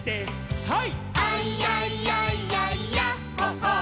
はい！